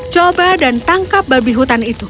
coba dan tangkap babi hutan itu